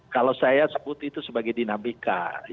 kalau saya sebut itu sebagai dinamika